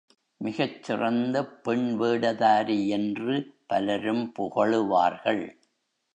மிகச் சிறந்த பெண்வேடதாரியென்று பலரும் புகழுவார்கள்.